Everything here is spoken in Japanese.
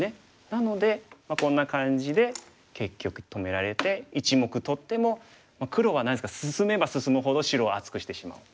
なのでこんな感じで結局止められて１目取っても黒は何ですか進めば進むほど白を厚くしてしまう。